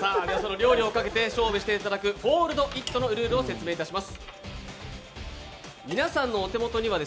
料理をかけて勝負をしていただく「Ｆｏｌｄ−ｉｔ」のルールを説明いたします。